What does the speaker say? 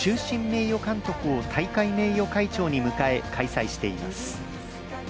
名誉監督を大会名誉会長に迎え開催しています。